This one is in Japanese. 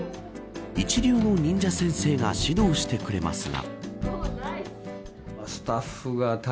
一流の忍者先生が指導してくれますが。